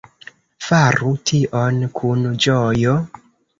Faru tion kun ĝojo.